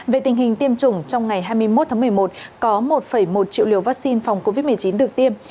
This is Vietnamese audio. về tình hình tiêm chủng trong ngày hai mươi một tháng một mươi một có một một triệu liều vaccine phòng covid một mươi chín được tiêm